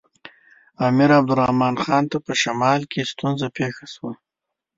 امیر عبدالرحمن خان ته په شمال کې ستونزه پېښه شوه.